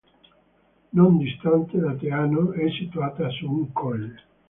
Non distante da Teano, è situata su un colle.